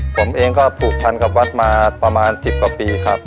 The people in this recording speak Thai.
ผมเองก็ผูกพันกับวัดมาประมาณ๑๐กว่าปีครับ